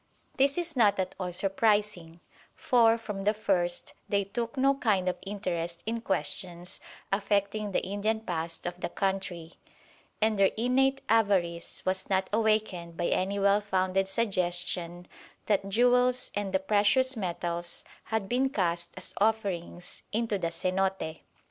This is not at all surprising, for from the first they took no kind of interest in questions affecting the Indian past of the country, and their innate avarice was not awakened by any well founded suggestion that jewels and the precious metals had been cast as offerings into the Zenote.